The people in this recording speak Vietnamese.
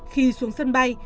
khi xuống sân bay